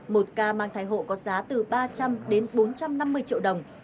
một ca mang thai hộ có giá từ ba trăm linh đến bốn trăm năm mươi triệu đồng